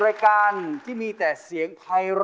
รายการที่มีแต่เสียงไพร่